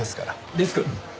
デスク。